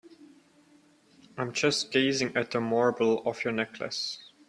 I'm just gazing at the marble of your necklace.